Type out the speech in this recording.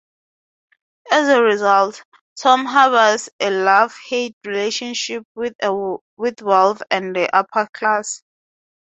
As a result, Tom harbors a love-hate relationship with wealth and the upper class.